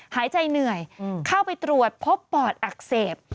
หายใจเหนื่อยเข้าไปตรวจพบปอดอักเสบ